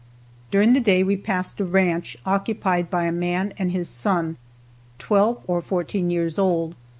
During the day we passed a ranch, occupied by a man and his son, twelve or fourteen years old.